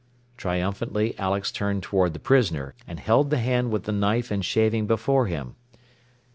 Triumphantly Alex turned toward the prisoner, and held the hand with the knife and shaving before him.